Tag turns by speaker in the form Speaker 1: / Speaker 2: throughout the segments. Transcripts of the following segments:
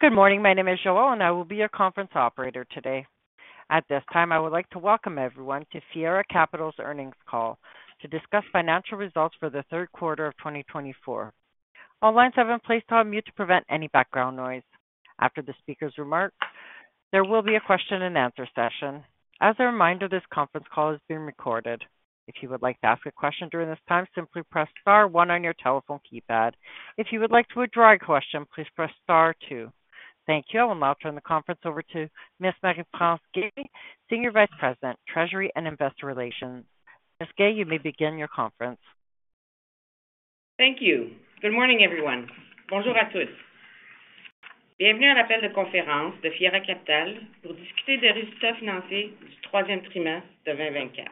Speaker 1: Good morning. My name is Joana, and I will be your conference operator today. At this time, I would like to welcome everyone to Fiera Capital's earnings call to discuss financial results for the third quarter of 2024. All lines have been placed on mute to prevent any background noise. After the speaker's remarks, there will be a question-and-answer session. As a reminder, this conference call is being recorded. If you would like to ask a question during this time, simply press star one on your telephone keypad. If you would like to withdraw a question, please press star two. Thank you. I will now turn the conference over to Miss Marie-France Guay, Senior Vice President, Treasury and Investor Relations. Miss Guay, you may begin your conference.
Speaker 2: Thank you. Good morning, everyone. Bonjour à tous. Bienvenue à l'appel de conférence de Fiera Capital pour discuter des résultats financiers du troisième trimestre de 2024.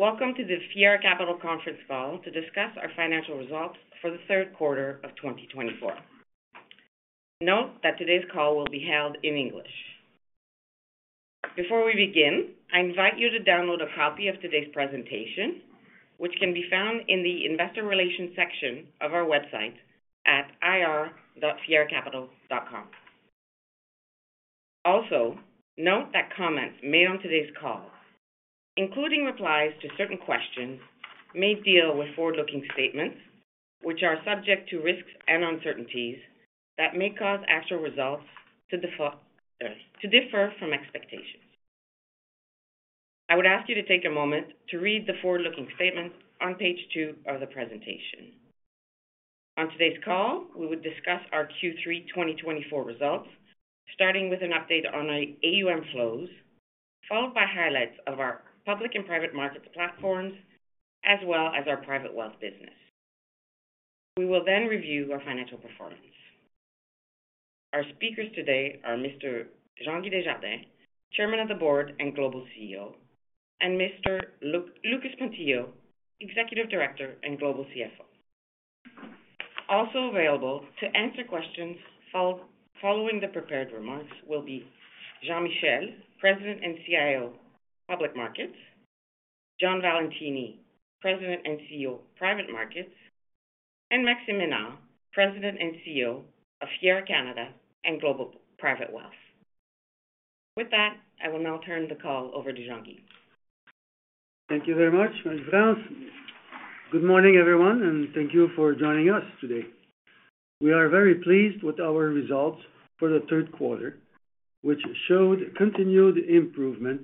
Speaker 2: Welcome to the Fiera Capital conference call to discuss our financial results for the third quarter of 2024. Note that today's call will be held in English. Before we begin, I invite you to download a copy of today's presentation, which can be found in the Investor Relations section of our website at ir.fieracapital.com. Also, note that comments made on today's call, including replies to certain questions, may deal with forward-looking statements which are subject to risks and uncertainties that may cause actual results to differ from expectations. I would ask you to take a moment to read the forward-looking statements on page two of the presentation. On today's call, we would discuss our Q3 2024 results, starting with an update on our AUM flows, followed by highlights of our public and private markets platforms, as well as our private wealth business. We will then review our financial performance. Our speakers today are Mr. Jean-Guy Desjardins, Chairman of the Board and Global CEO, and Mr. Lucas Pontillo, Executive Director and Global CFO. Also available to answer questions following the prepared remarks will be Jean-Michel, President and CIO, Public Markets, John Valentini, President and CEO, Private Markets, and Maxime Ménard, President and CEO of Fiera Canada and Global Private Wealth. With that, I will now turn the call over to Jean-Guy.
Speaker 3: Thank you very much, Marie-France. Good morning, everyone, and thank you for joining us today. We are very pleased with our results for the third quarter, which showed continued improvement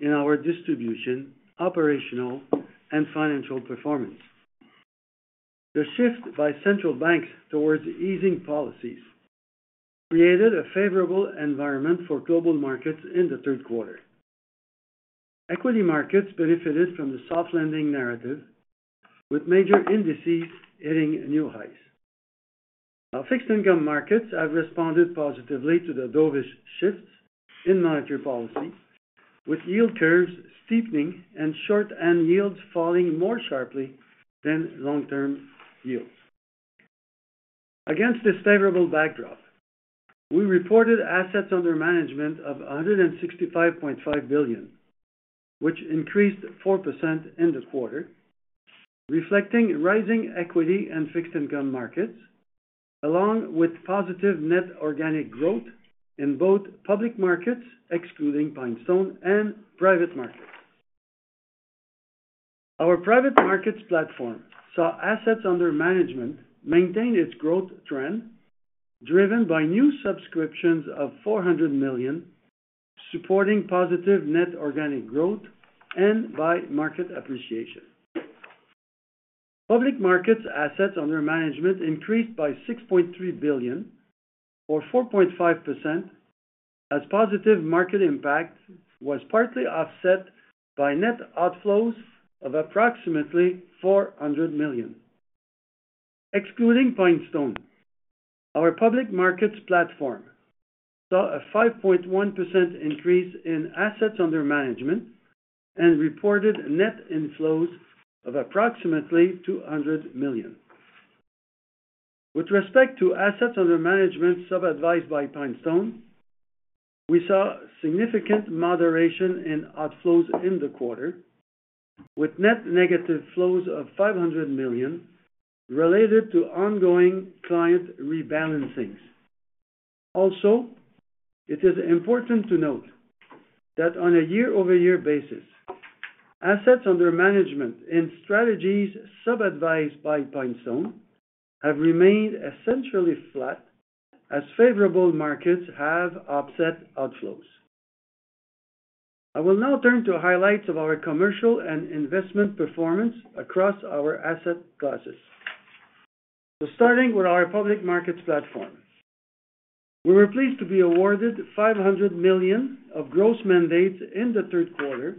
Speaker 3: in our distribution, operational, and financial performance. The shift by central banks towards easing policies created a favorable environment for global markets in the third quarter. Equity markets benefited from the soft landing narrative, with major indices hitting new highs. Fixed income markets have responded positively to the dovish shifts in monetary policy, with yield curves steepening and short-term yields falling more sharply than long-term yields. Against this favorable backdrop, we reported assets under management of 165.5 billion, which increased 4% in the quarter, reflecting rising equity and fixed income markets, along with positive net organic growth in both public markets, excluding PineStone, and private markets. Our private markets platform saw assets under management maintain its growth trend, driven by new subscriptions of 400 million, supporting positive net organic growth and by market appreciation. Public markets assets under management increased by 6.3 billion, or 4.5%, as positive market impact was partly offset by net outflows of approximately 400 million. Excluding PineStone, our public markets platform saw a 5.1% increase in assets under management and reported net inflows of approximately 200 million. With respect to assets under management sub-advised by PineStone, we saw significant moderation in outflows in the quarter, with net negative flows of 500 million related to ongoing client rebalancings. Also, it is important to note that on a year-over-year basis, assets under management in strategies sub-advised by PineStone have remained essentially flat, as favorable markets have offset outflows. I will now turn to highlights of our commercial and investment performance across our asset classes. Starting with our public markets platform, we were pleased to be awarded 500 million of gross mandates in the third quarter,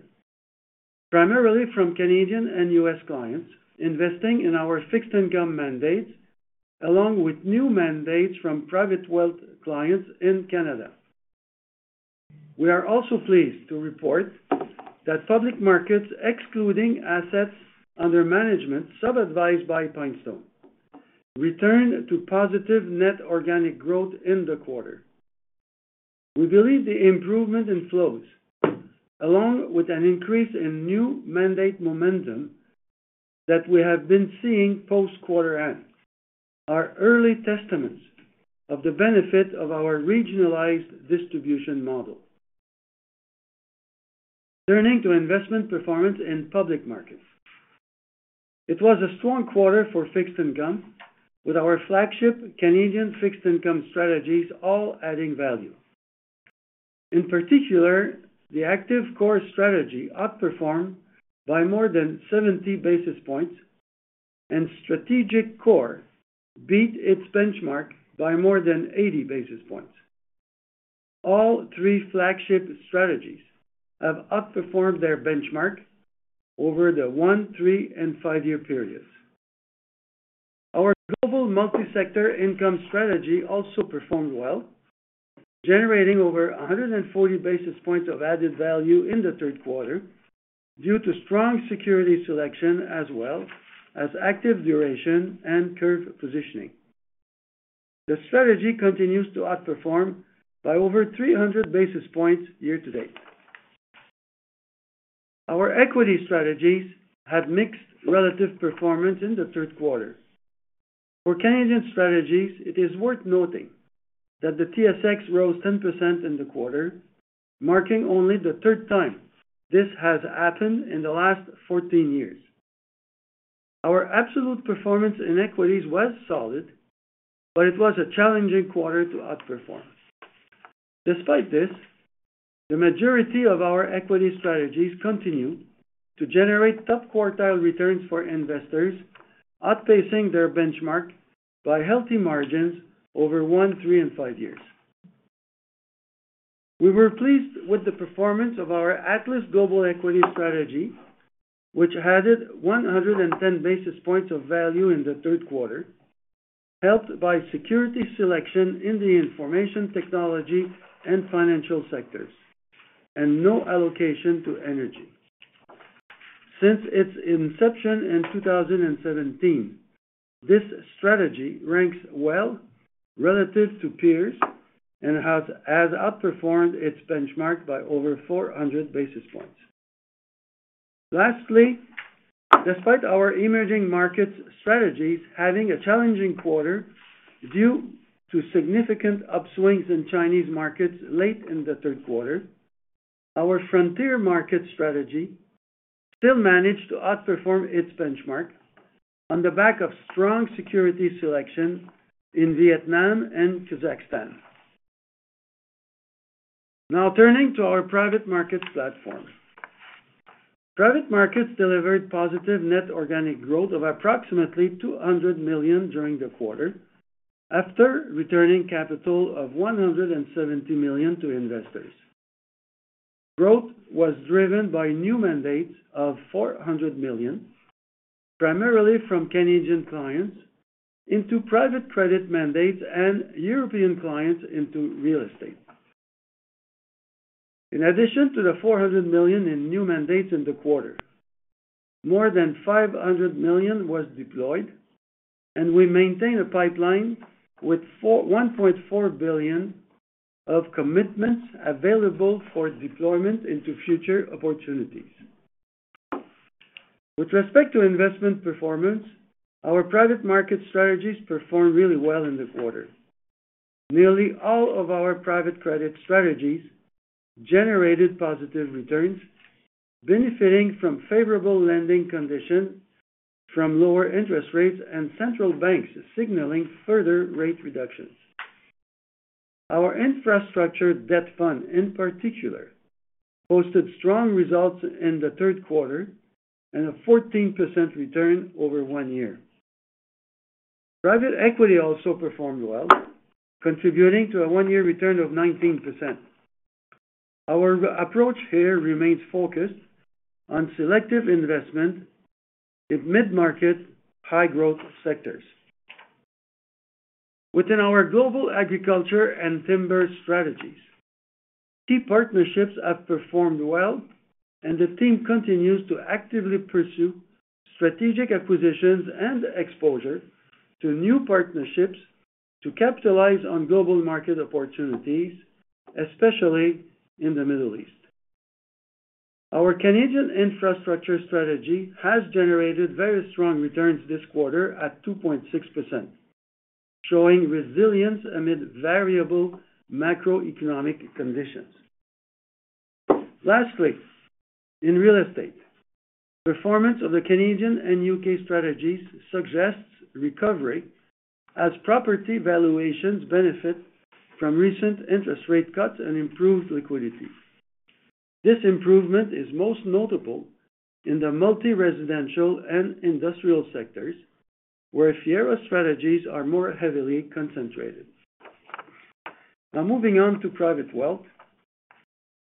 Speaker 3: primarily from Canadian and U.S. clients investing in our fixed income mandates, along with new mandates from private wealth clients in Canada. We are also pleased to report that public markets, excluding assets under management sub-advised by PineStone, returned to positive net organic growth in the quarter. We believe the improvement in flows, along with an increase in new mandate momentum that we have been seeing post-quarter end, are early testaments of the benefit of our regionalized distribution model. Turning to investment performance in public markets, it was a strong quarter for fixed income, with our flagship Canadian fixed income strategies all adding value. In particular, the Active Core Strategy outperformed by more than 70 basis points, and Strategic Core beat its benchmark by more than 80 basis points. All three flagship strategies have outperformed their benchmark over the one, three, and five-year periods. Our Global Multi-Sector Income Strategy also performed well, generating over 140 basis points of added value in the third quarter due to strong security selection, as well as active duration and curve positioning. The strategy continues to outperform by over 300 basis points year to date. Our equity strategies had mixed relative performance in the third quarter. For Canadian strategies, it is worth noting that the TSX rose 10% in the quarter, marking only the third time this has happened in the last 14 years. Our absolute performance in equities was solid, but it was a challenging quarter to outperform. Despite this, the majority of our equity strategies continue to generate top quartile returns for investors, outpacing their benchmark by healthy margins over one, three, and five years. We were pleased with the performance of our Atlas Global Equity Strategy, which added 110 basis points of value in the third quarter, helped by security selection in the information technology and financial sectors, and no allocation to energy. Since its inception in 2017, this strategy ranks well relative to peers and has outperformed its benchmark by over 400 basis points. Lastly, despite our emerging markets strategies having a challenging quarter due to significant upswings in Chinese markets late in the third quarter, our frontier market strategy still managed to outperform its benchmark on the back of strong security selection in Vietnam and Kazakhstan. Now, turning to our private markets platform, private markets delivered positive net organic growth of approximately 200 million during the quarter after returning capital of 170 million to investors. Growth was driven by new mandates of 400 million, primarily from Canadian clients into private credit mandates and European clients into real estate. In addition to the 400 million in new mandates in the quarter, more than 500 million was deployed, and we maintain a pipeline with 1.4 billion of commitments available for deployment into future opportunities. With respect to investment performance, our private market strategies performed really well in the quarter. Nearly all of our private credit strategies generated positive returns, benefiting from favorable lending conditions from lower interest rates and central banks signaling further rate reductions. Our infrastructure debt fund, in particular, posted strong results in the third quarter and a 14% return over one year. Private equity also performed well, contributing to a one-year return of 19%. Our approach here remains focused on selective investment in mid-market high-growth sectors. Within our global agriculture and timber strategies, key partnerships have performed well, and the team continues to actively pursue strategic acquisitions and exposure to new partnerships to capitalize on global market opportunities, especially in the Middle East. Our Canadian infrastructure strategy has generated very strong returns this quarter at 2.6%, showing resilience amid variable macroeconomic conditions. Lastly, in real estate, the performance of the Canadian and U.K. strategies suggests recovery as property valuations benefit from recent interest rate cuts and improved liquidity. This improvement is most notable in the multi-residential and industrial sectors, where Fiera strategies are more heavily concentrated. Now, moving on to private wealth.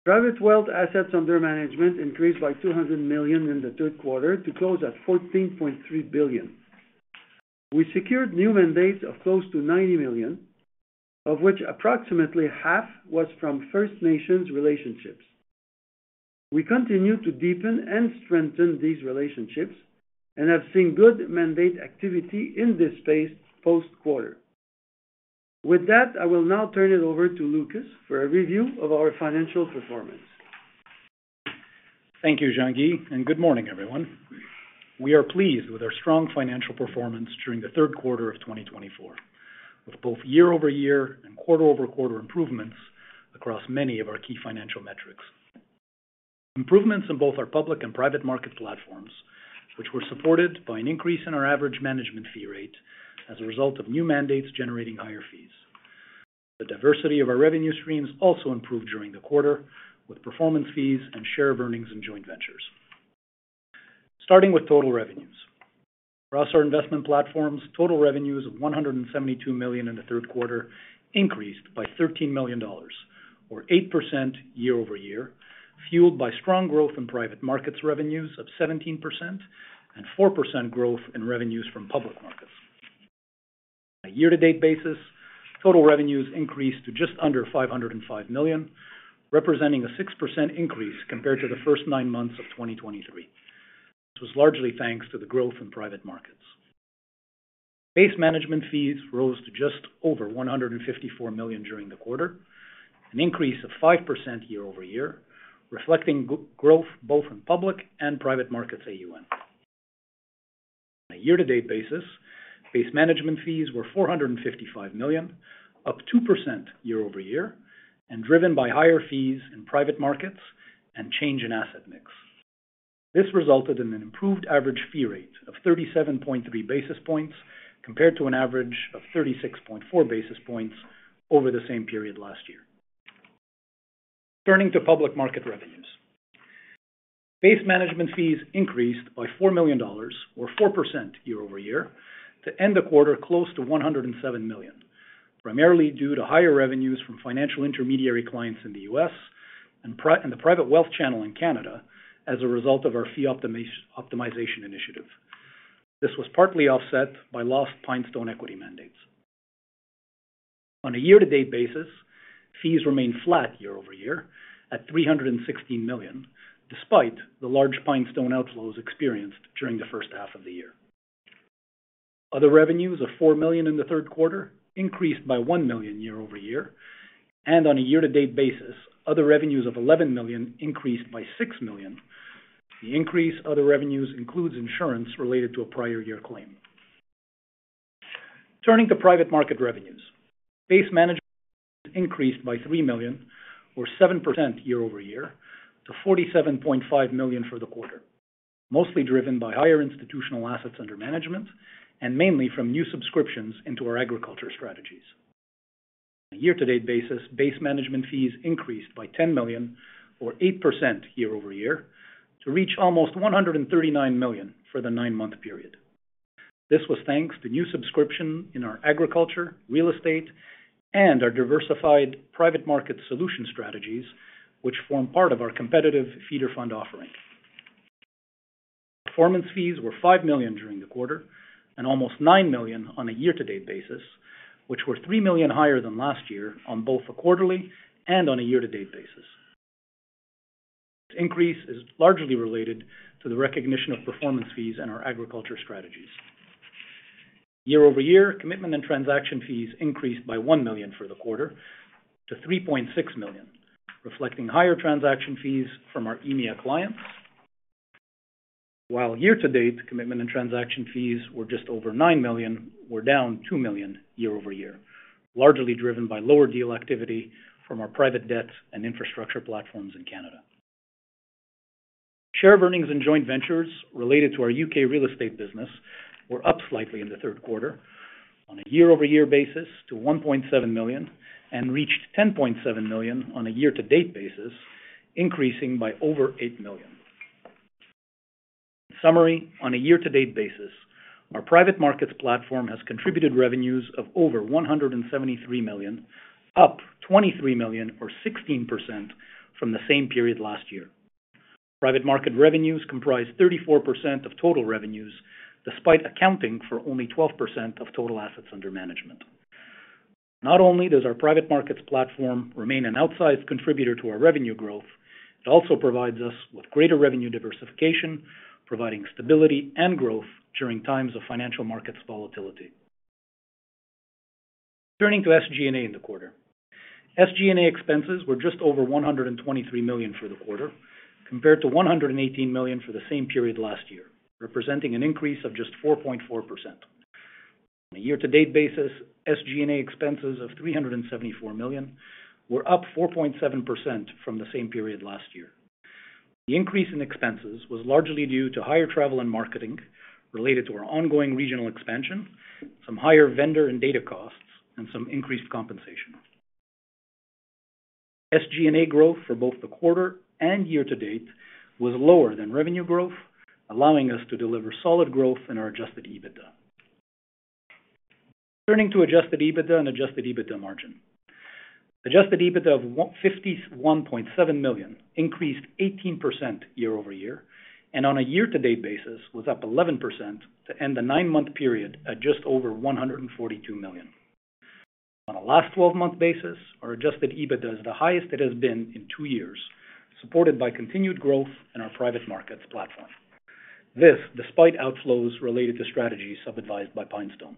Speaker 3: Private wealth assets under management increased by 200 million in the third quarter to close at 14.3 billion. We secured new mandates of close to 90 million, of which approximately half was from First Nations relationships. We continue to deepen and strengthen these relationships and have seen good mandate activity in this space post-quarter. With that, I will now turn it over to Lucas for a review of our financial performance.
Speaker 4: Thank you, Jean-Guy, and good morning, everyone. We are pleased with our strong financial performance during the third quarter of 2024, with both year-over-year and quarter-over-quarter improvements across many of our key financial metrics. Improvements in both our public and private market platforms, which were supported by an increase in our average management fee rate as a result of new mandates generating higher fees. The diversity of our revenue streams also improved during the quarter, with performance fees and share of earnings in joint ventures. Starting with total revenues, across our investment platforms, total revenues of 172 million in the third quarter increased by 13 million dollars, or 8% year-over-year, fueled by strong growth in private markets revenues of 17% and 4% growth in revenues from public markets. On a year-to-date basis, total revenues increased to just under 505 million, representing a 6% increase compared to the first nine months of 2023. This was largely thanks to the growth in private markets. Base management fees rose to just over 154 million during the quarter, an increase of 5% year-over-year, reflecting growth both in public and private markets AUM. On a year-to-date basis, base management fees were 455 million, up 2% year-over-year, and driven by higher fees in private markets and change in asset mix. This resulted in an improved average fee rate of 37.3 basis points compared to an average of 36.4 basis points over the same period last year. Turning to public market revenues, base management fees increased by 4 million dollars, or 4% year-over-year, to end the quarter close to 107 million, primarily due to higher revenues from financial intermediary clients in the U.S. And the private wealth channel in Canada as a result of our fee optimization initiative. This was partly offset by lost PineStone equity mandates. On a year-to-date basis, fees remained flat year-over-year at 316 million, despite the large PineStone outflows experienced during the first half of the year. Other revenues of 4 million in the third quarter increased by 1 million year-over-year, and on a year-to-date basis, other revenues of 11 million increased by 6 million. The increase in other revenues includes insurance related to a prior year claim. Turning to private market revenues, base management increased by 3 million, or 7% year-over-year, to 47.5 million for the quarter, mostly driven by higher institutional assets under management and mainly from new subscriptions into our agriculture strategies. On a year-to-date basis, base management fees increased by 10 million, or 8% year-over-year, to reach almost 139 million for the nine-month period. This was thanks to new subscriptions in our Agriculture, Real Estate, and our Diversified Private Markets Solution strategies, which form part of our competitive feeder fund offering. Performance fees were 5 million during the quarter and almost 9 million on a year-to-date basis, which were 3 million higher than last year on both a quarterly and on a year-to-date basis. This increase is largely related to the recognition of performance fees in our Agriculture Strategies. Year-over-year, commitment and transaction fees increased by 1 million for the quarter to 3.6 million, reflecting higher transaction fees from our EMEA clients, while year-to-date commitment and transaction fees were just over 9 million, were down 2 million year-over-year, largely driven by lower deal activity from our private debt and infrastructure platforms in Canada. Share of earnings in joint ventures related to our U.K. real estate business were up slightly in the third quarter on a year-over-year basis to 1.7 million and reached 10.7 million on a year-to-date basis, increasing by over eight million. In summary, on a year-to-date basis, our private markets platform has contributed revenues of over 173 million, up 23 million, or 16% from the same period last year. Private market revenues comprise 34% of total revenues, despite accounting for only 12% of total assets under management. Not only does our private markets platform remain an outsized contributor to our revenue growth, it also provides us with greater revenue diversification, providing stability and growth during times of financial markets volatility. Turning to SG&A in the quarter, SG&A expenses were just over 123 million for the quarter, compared to 118 million for the same period last year, representing an increase of just 4.4%. On a year-to-date basis, SG&A expenses of 374 million were up 4.7% from the same period last year. The increase in expenses was largely due to higher travel and marketing related to our ongoing regional expansion, some higher vendor and data costs, and some increased compensation. SG&A growth for both the quarter and year-to-date was lower than revenue growth, allowing us to deliver solid growth in our adjusted EBITDA. Turning to adjusted EBITDA and adjusted EBITDA margin, adjusted EBITDA of 51.7 million increased 18% year-over-year, and on a year-to-date basis, was up 11% to end the nine-month period at just over 142 million. On a last 12-month basis, our Adjusted EBITDA is the highest it has been in two years, supported by continued growth in our private markets platform. This, despite outflows related to strategies sub-advised by PineStone.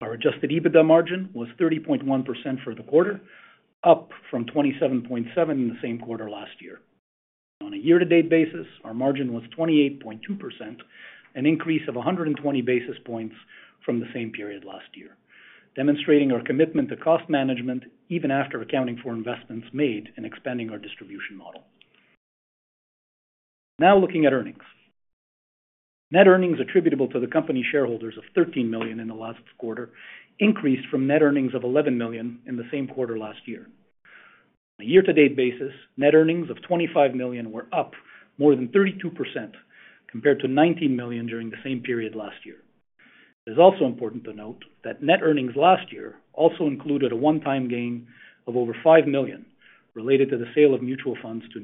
Speaker 4: Our Adjusted EBITDA margin was 30.1% for the quarter, up from 27.7% in the same quarter last year. On a year-to-date basis, our margin was 28.2%, an increase of 120 basis points from the same period last year, demonstrating our commitment to cost management even after accounting for investments made in expanding our distribution model. Now, looking at earnings, net earnings attributable to the company shareholders of 13 million in the last quarter increased from net earnings of 11 million in the same quarter last year. On a year-to-date basis, net earnings of 25 million were up more than 32% compared to 19 million during the same period last year. It is also important to note that net earnings last year also included a one-time gain of over 5 million related to the sale of mutual funds to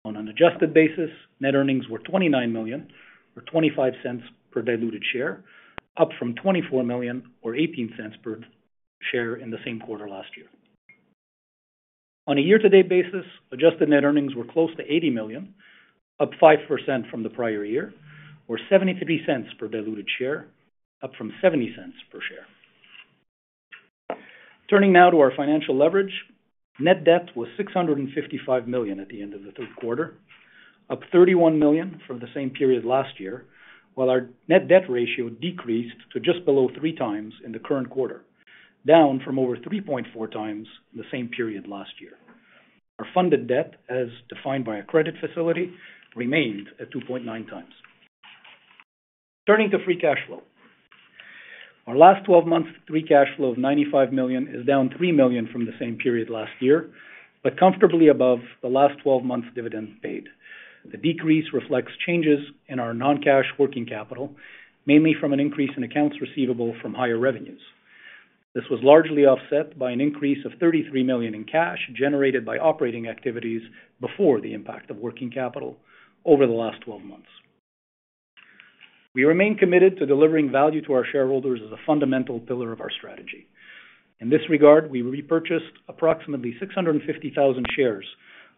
Speaker 4: New York Life. On an adjusted basis, net earnings were 29 million, or 0.25 per diluted share, up from 24 million, or 0.18 per share in the same quarter last year. On a year-to-date basis, adjusted net earnings were close to 80 million, up 5% from the prior year, or 0.73 per diluted share, up from 0.70 per share. Turning now to our financial leverage, net debt was 655 million at the end of the third quarter, up 31 million from the same period last year, while our net debt ratio decreased to just below three times in the current quarter, down from over 3.4 times in the same period last year. Our funded debt, as defined by a credit facility, remained at 2.9 times. Turning to free cash flow, our last 12-month free cash flow of 95 million is down 3 million from the same period last year, but comfortably above the last 12-month dividend paid. The decrease reflects changes in our non-cash working capital, mainly from an increase in accounts receivable from higher revenues. This was largely offset by an increase of 33 million in cash generated by operating activities before the impact of working capital over the last 12 months. We remain committed to delivering value to our shareholders as a fundamental pillar of our strategy. In this regard, we repurchased approximately 650,000 shares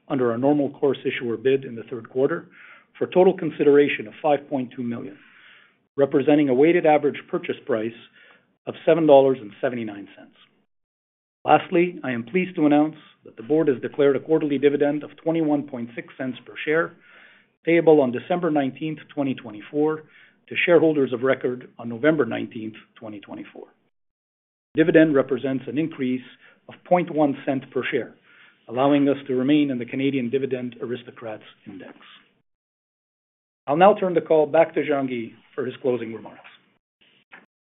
Speaker 4: under our normal course issuer bid in the third quarter for a total consideration of 5.2 million, representing a weighted average purchase price of 7.79 dollars. Lastly, I am pleased to announce that the board has declared a quarterly dividend of 0.216 per share payable on December 19, 2024, to shareholders of record on November 19, 2024. The dividend represents an increase of 0.001 per share, allowing us to remain in the Canadian Dividend Aristocrats Index. I'll now turn the call back to Jean-Guy for his closing remarks.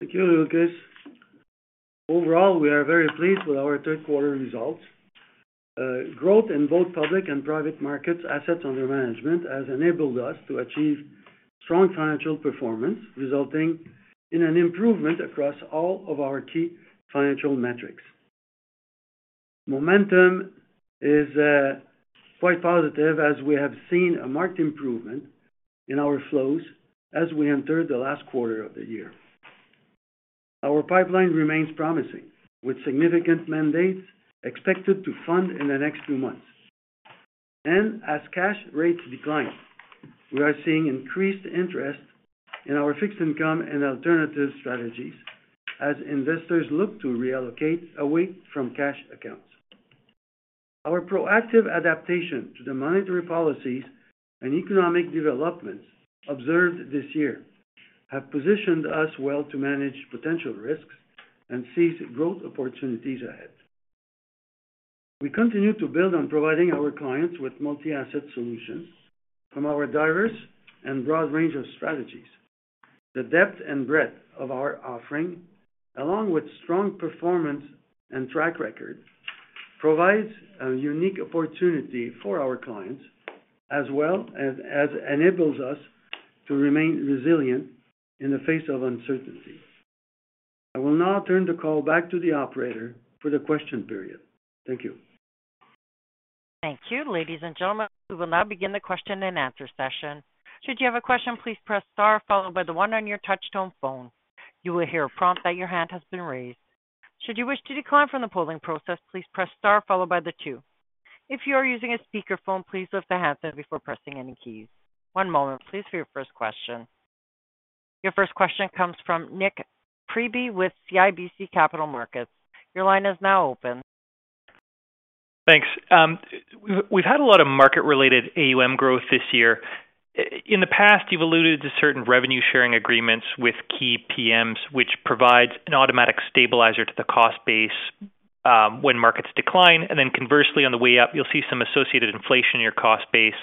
Speaker 3: Thank you, Lucas. Overall, we are very pleased with our third-quarter results. Growth in both public and private markets assets under management has enabled us to achieve strong financial performance, resulting in an improvement across all of our key financial metrics. Momentum is quite positive as we have seen a marked improvement in our flows as we enter the last quarter of the year. Our pipeline remains promising, with significant mandates expected to fund in the next few months. And as cash rates decline, we are seeing increased interest in our fixed income and alternative strategies as investors look to reallocate away from cash accounts. Our proactive adaptation to the monetary policies and economic developments observed this year have positioned us well to manage potential risks and seize growth opportunities ahead. We continue to build on providing our clients with multi-asset solutions from our diverse and broad range of strategies. The depth and breadth of our offering, along with strong performance and track record, provides a unique opportunity for our clients, as well as enables us to remain resilient in the face of uncertainty. I will now turn the call back to the operator for the question period. Thank you.
Speaker 1: Thank you, ladies and gentlemen. We will now begin the question and answer session. Should you have a question, please press star followed by the one on your touch-tone phone. You will hear a prompt that your hand has been raised. Should you wish to decline from the polling process, please press star followed by the two. If you are using a speakerphone, please lift the handset before pressing any keys. One moment, please, for your first question. Your first question comes from Nik Priebe with CIBC Capital Markets. Your line is now open.
Speaker 5: Thanks. We've had a lot of market-related AUM growth this year. In the past, you've alluded to certain revenue-sharing agreements with key PMs, which provide an automatic stabilizer to the cost base when markets decline. And then conversely, on the way up, you'll see some associated inflation in your cost base,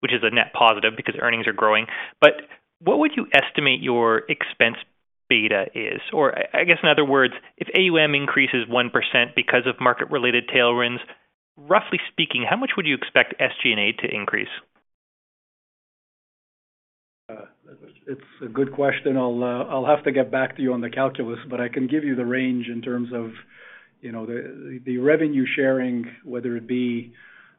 Speaker 5: which is a net positive because earnings are growing. But what would you estimate your expense beta is? Or, I guess, in other words, if AUM increases 1% because of market-related tailwinds, roughly speaking, how much would you expect SG&A to increase?
Speaker 4: It's a good question. I'll have to get back to you on the calculus, but I can give you the range in terms of the revenue sharing, whether it be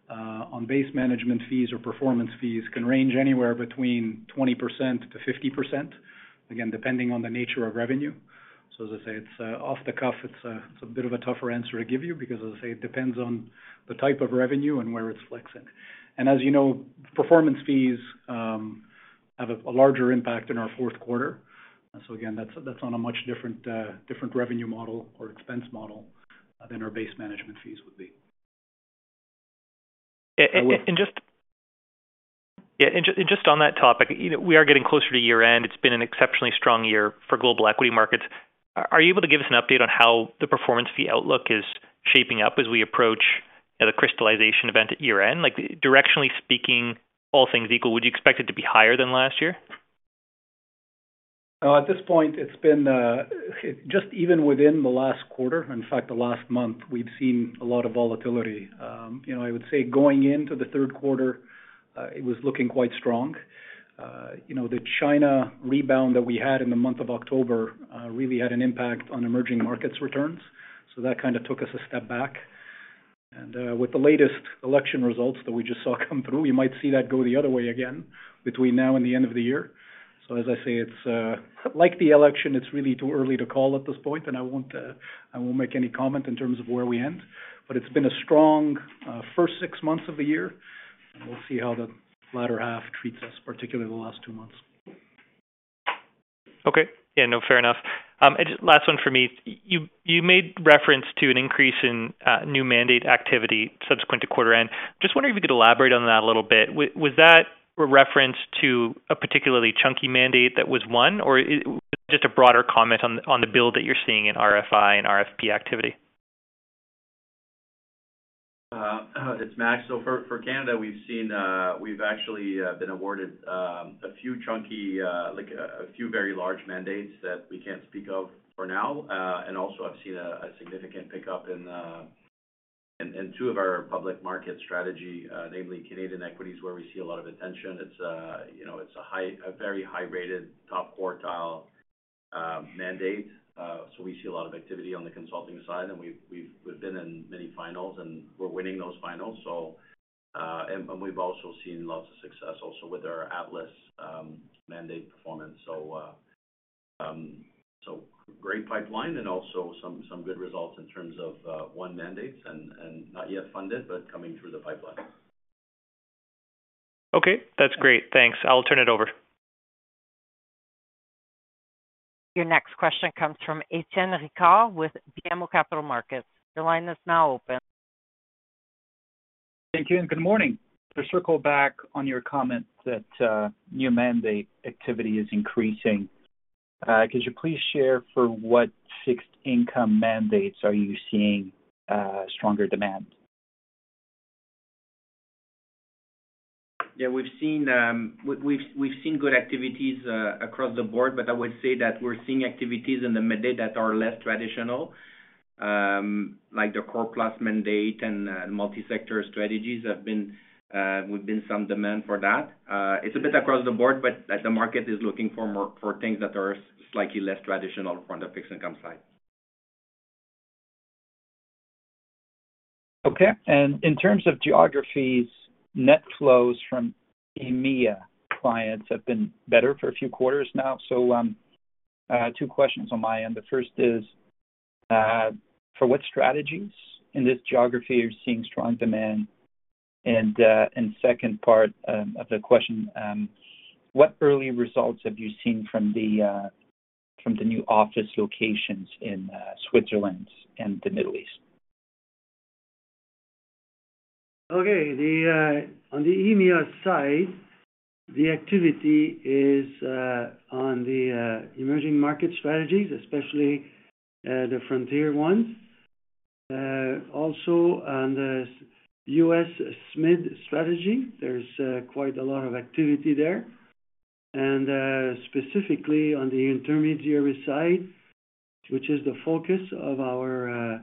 Speaker 4: on base management fees or performance fees, can range anywhere between 20%-50%, again, depending on the nature of revenue. So, as I say, it's off the cuff. It's a bit of a tougher answer to give you because, as I say, it depends on the type of revenue and where it's flexing. And as you know, performance fees have a larger impact in our fourth quarter. And so, again, that's on a much different revenue model or expense model than our base management fees would be.
Speaker 5: Just on that topic, we are getting closer to year-end. It's been an exceptionally strong year for global equity markets. Are you able to give us an update on how the performance fee outlook is shaping up as we approach the crystallization event at year-end? Directionally speaking, all things equal, would you expect it to be higher than last year?
Speaker 4: At this point, it's been just even within the last quarter. In fact, the last month, we've seen a lot of volatility. I would say going into the third quarter, it was looking quite strong. The China rebound that we had in the month of October really had an impact on emerging markets returns. So that kind of took us a step back, and with the latest election results that we just saw come through, you might see that go the other way again between now and the end of the year, so, as I say, like the election, it's really too early to call at this point, and I won't make any comment in terms of where we end, but it's been a strong first six months of the year. We'll see how the latter half treats us, particularly the last two months.
Speaker 5: Okay. Yeah, no, fair enough. Last one for me. You made reference to an increase in new mandate activity subsequent to quarter-end. Just wondering if you could elaborate on that a little bit. Was that a reference to a particularly chunky mandate that was won, or just a broader comment on the build that you're seeing in RFI and RFP activity?
Speaker 6: It's Max. For Canada, we've actually been awarded a few chunky, a few very large mandates that we can't speak of for now. We've also seen a significant pickup in two of our public market strategy, namely Canadian equities, where we see a lot of attention. It's a very high-rated, top quartile mandate. We see a lot of activity on the consulting side, and we've been in many finals, and we're winning those finals. We've also seen lots of success also with our Atlas mandate performance. We have a great pipeline and also some good results in terms of won mandates and not yet funded, but coming through the pipeline.
Speaker 4: Okay. That's great. Thanks. I'll turn it over.
Speaker 1: Your next question comes from Etienne Ricard with BMO Capital Markets. Your line is now open.
Speaker 7: Thank you, and good morning. To circle back on your comment that new mandate activity is increasing, could you please share for what fixed income mandates are you seeing stronger demand?
Speaker 4: Yeah, we've seen good activities across the board, but I would say that we're seeing activities in the mandate that are less traditional, like the Core Plus mandate and Multi-Sector Strategies. We've seen some demand for that. It's a bit across the board, but the market is looking for things that are slightly less traditional from the fixed income side.
Speaker 7: Okay. And in terms of geographies, net flows from EMEA clients have been better for a few quarters now. So two questions on my end. The first is, for what strategies in this geography are you seeing strong demand? And second part of the question, what early results have you seen from the new office locations in Switzerland and the Middle East?
Speaker 3: Okay. On the EMEA side, the activity is on the emerging market strategies, especially the frontier ones. Also, on the U.S. SMID strategy, there's quite a lot of activity there. And specifically on the intermediary side, which is the focus of our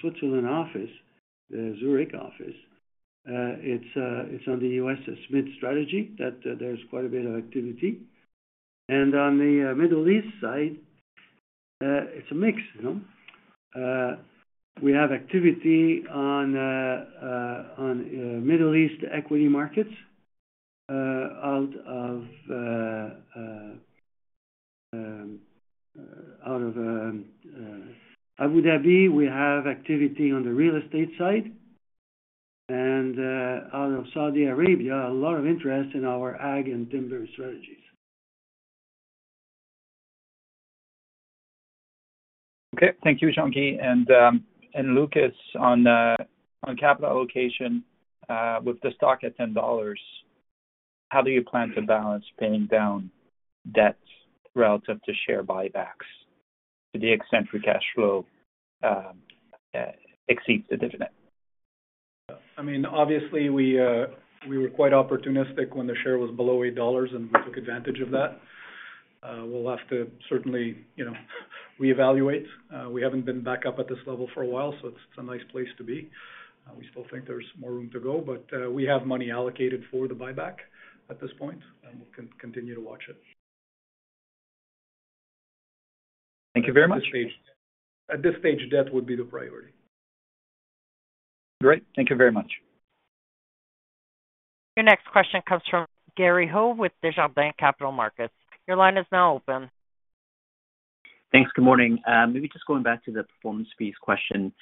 Speaker 3: Switzerland office, the Zurich office, it's on the U.S. SMID strategy that there's quite a bit of activity. And on the Middle East side, it's a mix. We have activity on Middle East equity markets out of Abu Dhabi. We have activity on the real estate side. And out of Saudi Arabia, a lot of interest in our Ag and timber strategies.
Speaker 7: Okay. Thank you, Jean-Guy. And Lucas, on capital allocation, with the stock at 10 dollars, how do you plan to balance paying down debt relative to share buybacks to the extent free cash flow exceeds the dividend?
Speaker 4: I mean, obviously, we were quite opportunistic when the share was below 8 dollars, and we took advantage of that. We'll have to certainly reevaluate. We haven't been back up at this level for a while, so it's a nice place to be. We still think there's more room to go, but we have money allocated for the buyback at this point, and we'll continue to watch it.
Speaker 7: Thank you very much.
Speaker 4: At this stage, debt would be the priority.
Speaker 7: Great. Thank you very much.
Speaker 1: Your next question comes from Gary Ho with Desjardins Capital Markets. Your line is now open.
Speaker 8: Thanks. Good morning. Maybe just going back to the performance fees question.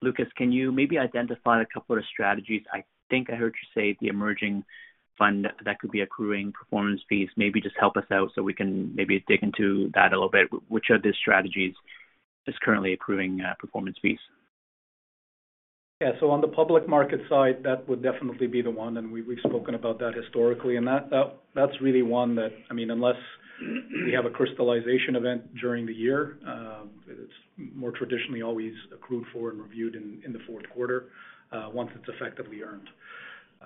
Speaker 8: Lucas, can you maybe identify a couple of strategies? I think I heard you say the emerging fund that could be accruing performance fees. Maybe just help us out so we can maybe dig into that a little bit. Which of these strategies is currently accruing performance fees?
Speaker 4: Yeah. So on the public market side, that would definitely be the one, and we've spoken about that historically. And that's really one that, I mean, unless we have a crystallization event during the year, it's more traditionally always accrued for and reviewed in the fourth quarter once it's effectively earned.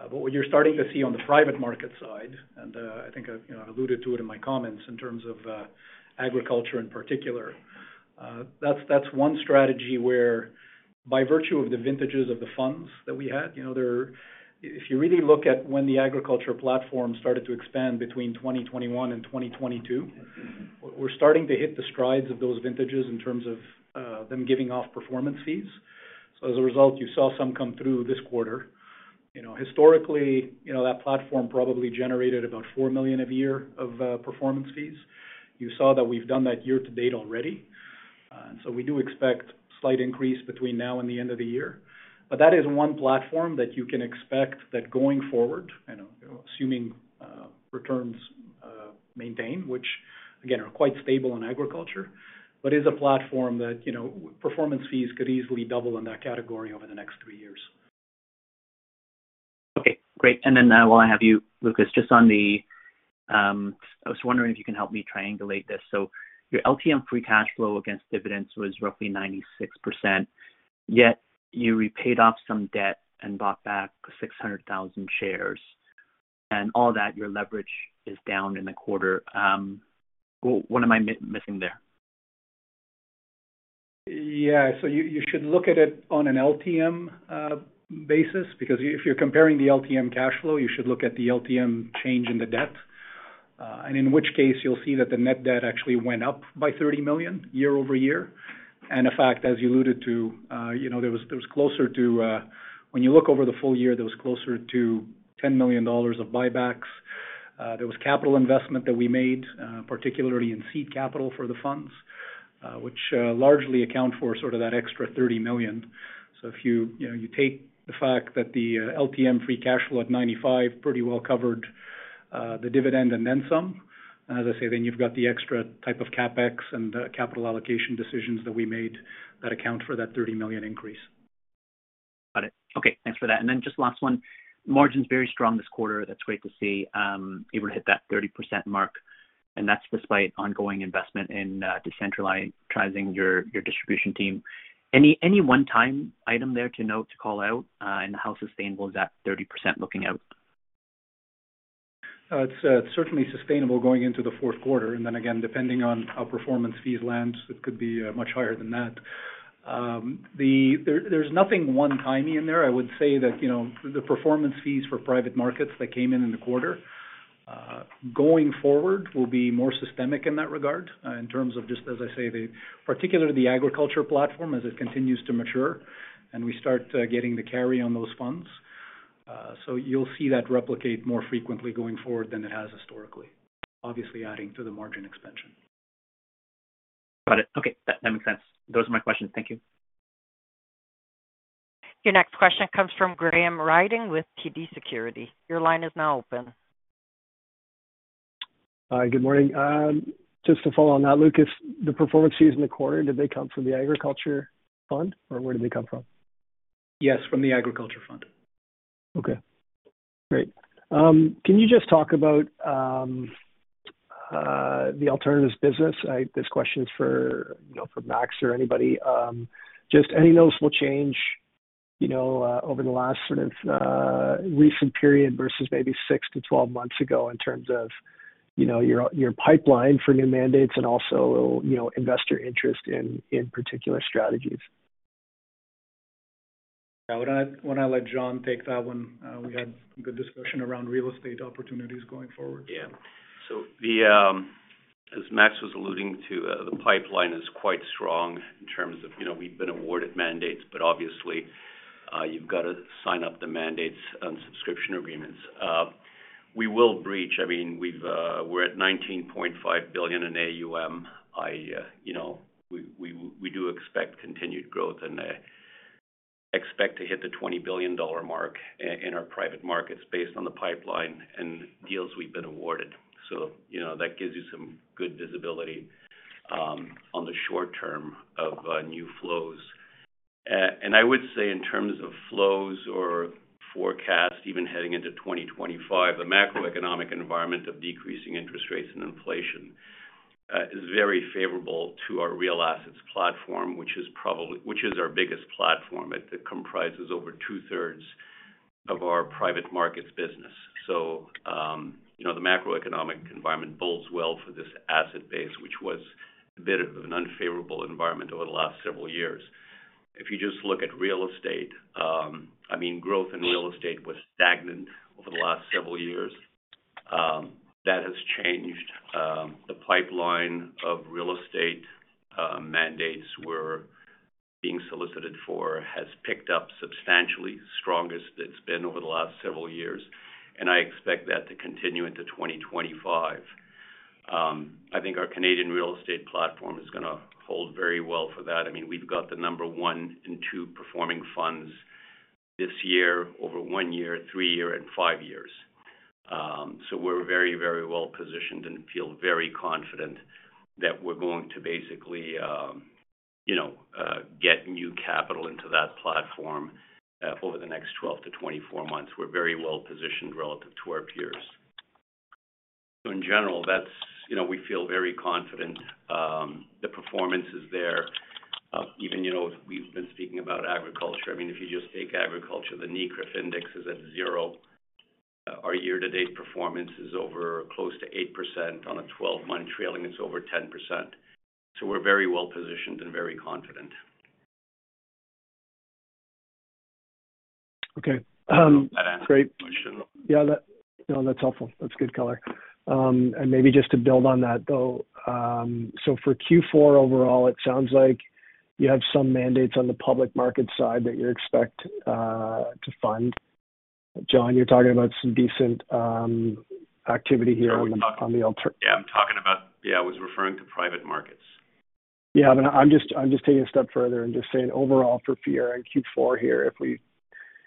Speaker 4: But what you're starting to see on the private market side, and I think I've alluded to it in my comments in terms of agriculture in particular, that's one strategy where, by virtue of the vintages of the funds that we had, if you really look at when the agriculture platform started to expand between 2021 and 2022, we're starting to hit the strides of those vintages in terms of them giving off performance fees. So, as a result, you saw some come through this quarter. Historically, that platform probably generated about four million a year of performance fees. You saw that we've done that year to date already. And so we do expect a slight increase between now and the end of the year. But that is one platform that you can expect that going forward, assuming returns maintain, which, again, are quite stable in agriculture, but is a platform that performance fees could easily double in that category over the next three years.
Speaker 8: Okay. Great. And then while I have you, Lucas, just on the, I was wondering if you can help me triangulate this. So your LTM free cash flow against dividends was roughly 96%, yet you repaid off some debt and bought back 600,000 shares. And all that, your leverage is down in the quarter. What am I missing there?
Speaker 4: Yeah. So you should look at it on an LTM basis because if you're comparing the LTM cash flow, you should look at the LTM change in the debt. And in which case, you'll see that the net debt actually went up by 30 million year over year. And in fact, as you alluded to, there was closer to, when you look over the full year, there was closer to 10 million dollars of buybacks. There was capital investment that we made, particularly in seed capital for the funds, which largely account for sort of that extra 30 million. So if you take the fact that the LTM free cash flow at 95 million pretty well covered the dividend and then some, as I say, then you've got the extra type of CapEx and capital allocation decisions that we made that account for that 30 million increase.
Speaker 8: Got it. Okay. Thanks for that. And then just last one. Margin's very strong this quarter. That's great to see. You were able to hit that 30% mark. And that's despite ongoing investment in decentralizing your distribution team. Any one-time item there to note, to call out? And how sustainable is that 30% looking out?
Speaker 4: It's certainly sustainable going into the fourth quarter. And then, again, depending on how performance fees land, it could be much higher than that. There's nothing one-timey in there. I would say that the performance fees for private markets that came in in the quarter going forward will be more systemic in that regard in terms of just, as I say, particularly the agriculture platform as it continues to mature and we start getting the carry on those funds. So you'll see that replicate more frequently going forward than it has historically, obviously adding to the margin expansion.
Speaker 8: Got it. Okay. That makes sense. Those are my questions. Thank you.
Speaker 1: Your next question comes from Graham Ryding with TD Securities. Your line is now open.
Speaker 9: Hi. Good morning. Just to follow on that, Lucas, the performance fees in the quarter, did they come from the agriculture fund, or where did they come from?
Speaker 4: Yes, from the agriculture fund.
Speaker 9: Okay. Great. Can you just talk about the alternatives business? This question is for Max or anybody. Just any noticeable change over the last sort of recent period versus maybe six to 12 months ago in terms of your pipeline for new mandates and also investor interest in particular strategies?
Speaker 4: Yeah. Why don't I let John take that one? We had a good discussion around real estate opportunities going forward.
Speaker 6: Yeah. So as Max was alluding to, the pipeline is quite strong in terms of we've been awarded mandates, but obviously, you've got to sign up the mandates on subscription agreements. We will reach. I mean, we're at $19.5 billion in AUM. We do expect continued growth and expect to hit the $20 billion mark in our private markets based on the pipeline and deals we've been awarded. So that gives you some good visibility on the short term of new flows. And I would say in terms of flows or forecast, even heading into 2025, the macroeconomic environment of decreasing interest rates and inflation is very favorable to our real assets platform, which is our biggest platform that comprises over two-thirds of our private markets business. So the macroeconomic environment bodes well for this asset base, which was a bit of an unfavorable environment over the last several years. If you just look at real estate, I mean, growth in real estate was stagnant over the last several years. That has changed. The pipeline of real estate mandates we're being solicited for has picked up substantially, strongest it's been over the last several years. And I expect that to continue into 2025. I think our Canadian real estate platform is going to hold very well for that. I mean, we've got the number one and two performing funds this year over one year, three year, and five years. So we're very, very well positioned and feel very confident that we're going to basically get new capital into that platform over the next 12 to 24 months. We're very well positioned relative to our peers. So in general, we feel very confident. The performance is there. Even we've been speaking about agriculture. I mean, if you just take agriculture, the NCREIF Index is at zero. Our year-to-date performance is over close to 8%. On a 12-month trailing, it's over 10%. So we're very well positioned and very confident.
Speaker 9: Okay. Great. Yeah. No, that's helpful. That's good color. And maybe just to build on that, though, so for Q4 overall, it sounds like you have some mandates on the public market side that you expect to fund. John, you're talking about some decent activity here on the.
Speaker 10: Yeah. I'm talking about, yeah, I was referring to private markets.
Speaker 9: Yeah. I'm just taking a step further and just saying overall for Fiera and Q4 here, if we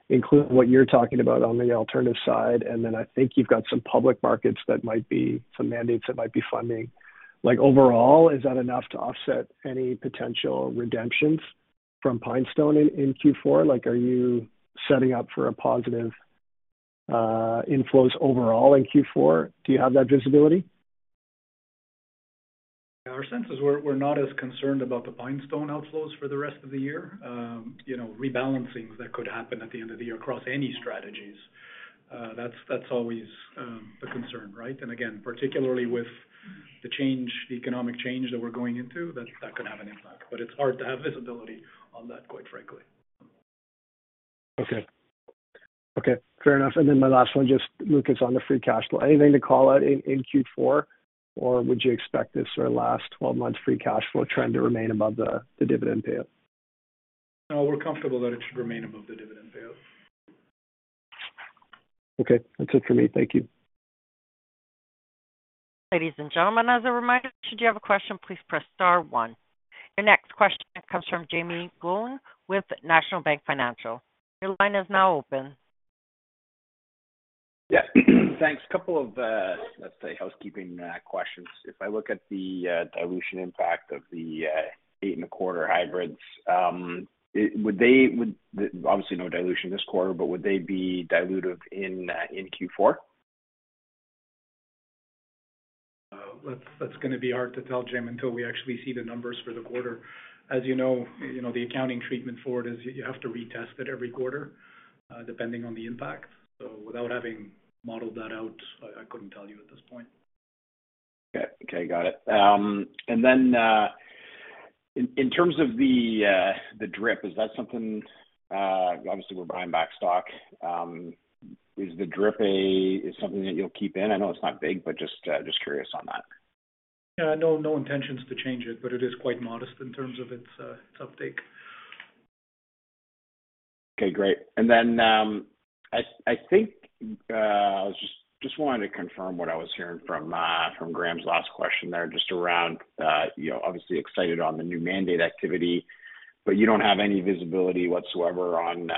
Speaker 9: include what you're talking about on the alternative side, and then I think you've got some public markets that might be some mandates that might be funding. Overall, is that enough to offset any potential redemptions from Pinestone in Q4? Are you setting up for positive inflows overall in Q4? Do you have that visibility?
Speaker 4: Yeah. Our sense is we're not as concerned about the Pinestone outflows for the rest of the year. Rebalancings that could happen at the end of the year across any strategies, that's always the concern, right? And again, particularly with the economic change that we're going into, that could have an impact. But it's hard to have visibility on that, quite frankly.
Speaker 9: Okay. Okay. Fair enough. And then my last one, just Lucas on the free cash flow. Anything to call out in Q4, or would you expect this sort of last 12-month free cash flow trend to remain above the dividend payout?
Speaker 4: No, we're comfortable that it should remain above the dividend payout.
Speaker 9: Okay. That's it for me. Thank you.
Speaker 1: Ladies and gentlemen, as a reminder, should you have a question, please press star one. Your next question comes from Jaeme Gloyn with National Bank Financial. Your line is now open.
Speaker 11: Yes. Thanks. A couple of, let's say, housekeeping questions. If I look at the dilution impact of the 8.25 hybrids, would they, obviously, no dilution this quarter, but would they be dilutive in Q4?
Speaker 4: That's going to be hard to tell, Jim, until we actually see the numbers for the quarter. As you know, the accounting treatment for it is you have to retest it every quarter depending on the impact. So without having modeled that out, I couldn't tell you at this point.
Speaker 11: Okay. Okay. Got it. And then in terms of the drip, is that something, obviously, we're buying back stock, is the drip something that you'll keep in? I know it's not big, but just curious on that.
Speaker 4: Yeah. No intentions to change it, but it is quite modest in terms of its uptake.
Speaker 11: Okay. Great. And then I think I was just wanting to confirm what I was hearing from Graham's last question there just around, obviously, excited on the new mandate activity, but you don't have any visibility whatsoever on,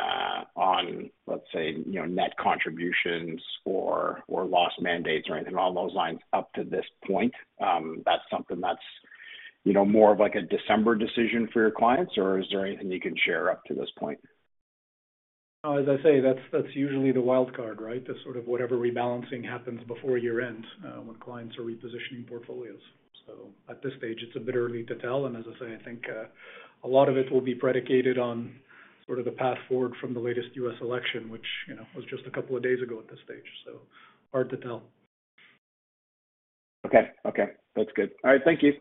Speaker 11: let's say, net contributions or lost mandates or anything along those lines up to this point. That's something that's more of a December decision for your clients, or is there anything you can share up to this point?
Speaker 4: As I say, that's usually the wild card, right? That's sort of whatever rebalancing happens before year-end when clients are repositioning portfolios. So at this stage, it's a bit early to tell. And as I say, I think a lot of it will be predicated on sort of the path forward from the latest U.S. election, which was just a couple of days ago at this stage. So hard to tell.
Speaker 11: Okay. That's good. All right. Thank you.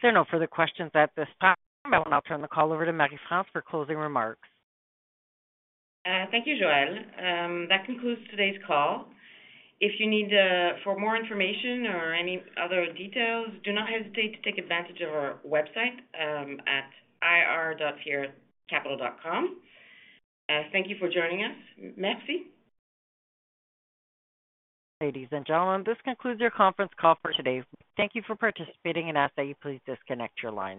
Speaker 1: There are no further questions at this time. I will now turn the call over to Marie-France for closing remarks.
Speaker 2: Thank you, Joan. That concludes today's call. If you need for more information or any other details, do not hesitate to take advantage of our website at ir.fieracapital.com. Thank you for joining us. Merci.
Speaker 1: Ladies and gentlemen, this concludes your conference call for today. Thank you for participating, and as I say, please disconnect your line.